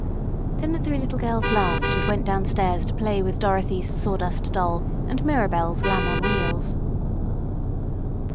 Then the three little girls laughed and went downstairs to play with Dorothy's Sawdust Doll and Mirabell's Lamb on Wheels.